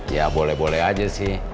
ya boleh boleh aja sih